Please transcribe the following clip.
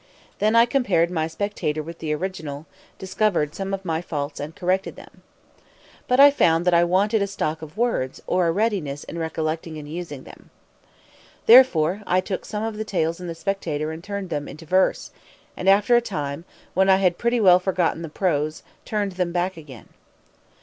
"Then I compared my Spectator with the original, discovered some of my faults and corrected them. "But I found that I wanted a stock of words, or a readiness in recollecting and using them. "Therefore, I took some of the tales in the Spectator and turned them into verse; and, after a time, when I had pretty well forgotten the prose, turned them back again."